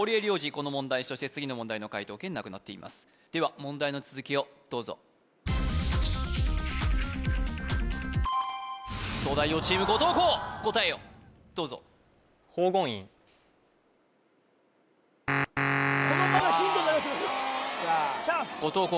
この問題そして次の問題の解答権なくなっていますでは問題の続きをどうぞ東大王チーム後藤弘答えをどうぞこの場合はヒントになります後藤弘